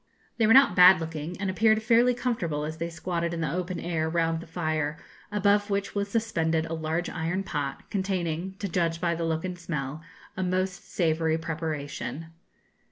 They were not bad looking, and appeared fairly comfortable, as they squatted in the open air round the fire, above which was suspended a large iron pot, containing, to judge by the look and smell, a most savoury preparation.